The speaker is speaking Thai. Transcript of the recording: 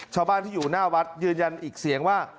ชาวบ้านที่อยู่หน้าวัดยืนยันอีกเสียงว่า